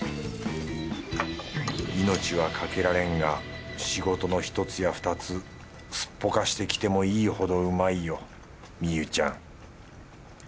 命はかけられんが仕事の１つや２つすっぽかして来てもいいほどうまいよみゆちゃん